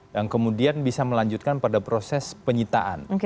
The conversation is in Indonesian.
dan kemudian bisa melanjutkan pada proses penyitaan